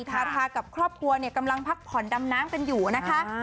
ทาทากับครอบครัวเนี่ยกำลังพักผ่อนดำน้ำกันอยู่นะคะ